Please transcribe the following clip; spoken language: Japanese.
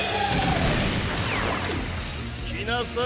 来なさい